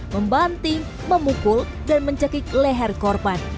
membanting memukul dan mencekik leher korban